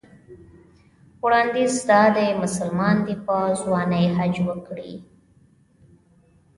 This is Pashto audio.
وړاندیز دا دی مسلمان دې په ځوانۍ حج وکړي.